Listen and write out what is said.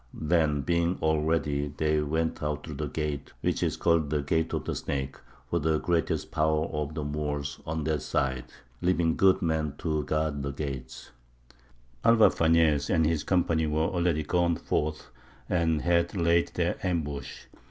Then, being all ready, they went out through the gate which is called the Gate of the Snake, for the greatest power of the Moors was on that side, leaving good men to guard the gates. Alvar Fañez and his company were already gone forth, and had laid their ambush.